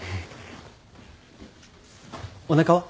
おなかは？